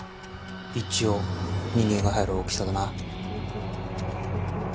一応人間が入る大きさだな。